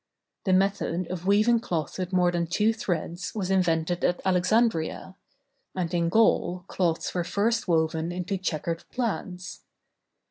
The method of weaving cloth with more than two threads was invented at Alexandria; and in Gaul cloths were first woven into checkered plaids.